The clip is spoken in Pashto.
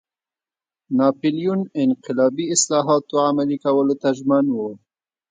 ناپلیون انقلابي اصلاحاتو عملي کولو ته ژمن و.